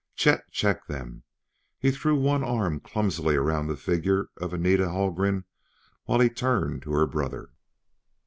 Chet checked them; he threw one arm clumsily around the figure of Anita Haldgren while he turned to her brother.